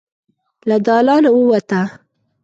له دالانه ووته.